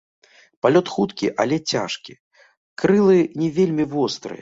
Палёт хуткі, але цяжкі, крылы не вельмі вострыя.